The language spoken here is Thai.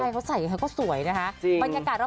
ใช่เขาใส่สวยดีถูกนะครับ